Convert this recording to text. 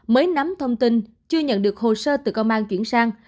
mới nắm thông tin chưa nhận được hồ sơ từ công an chuyển sang